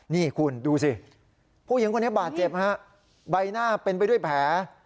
นี่คุณดูสิผู้หญิงคนนี้บาดเจ็บฮะใบหน้าเป็นไปด้วยแผล